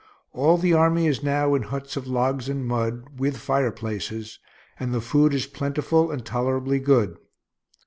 All the army is now in huts of logs and mud, with fireplaces; and the food is plentiful and tolerably good.